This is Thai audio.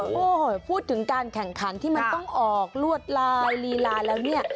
โอ้โหพูดถึงการแข่งขันที่มันต้องออกลวดลายลีลาแล้วเนี่ย